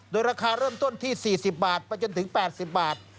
โดยราคาเริ่มต้นที่๔๐บาทไปจนถึง๘๐บาท